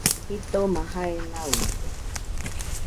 Jitoma jae nauide